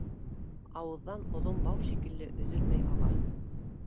Ауыҙҙан оҙон бау шикелле өҙөлмәй аға.